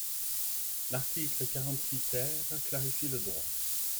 L’article quarante-six ter clarifie le droit.